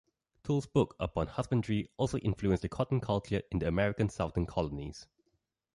Tull's book upon husbandry also influenced the cotton culture in the American Southern Colonies.